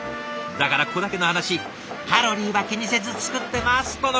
だからここだけの話「カロリーは気にせず作ってます！」とのこと。